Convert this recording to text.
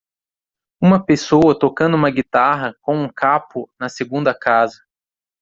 Uma pessoa tocando uma guitarra com um capo na segunda casa.